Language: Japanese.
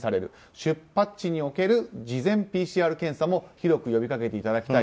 出発地における事前ＰＣＲ検査も広く呼びかけていただきたい